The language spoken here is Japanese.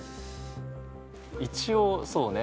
一応そうね